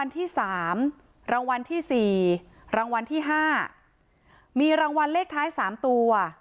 ที่๕มีรางวัลเลขท้าย๓ตัว